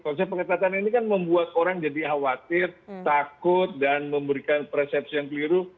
konsep pengetatan ini kan membuat orang jadi khawatir takut dan memberikan persepsi yang keliru